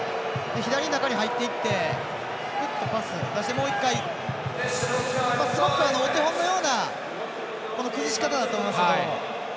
左で中に入っていってパスを出してもう１回すごくお手本のような崩しかただと思いますけど。